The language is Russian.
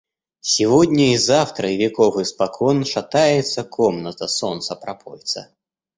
Сегодня и завтра и веков испокон шатается комната — солнца пропойца.